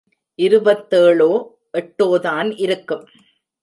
இருபத்தேழோ எட்டோதான் இருக்கும்.